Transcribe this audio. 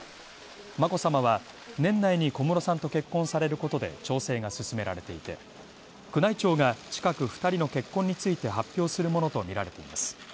眞子さまは年内に小室さんと結婚されることで調整が進められていて、宮内庁が近く２人の結婚について発表するものとみられています。